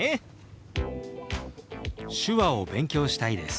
「手話を勉強したいです」。